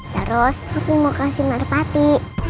terus aku mau kasih merpati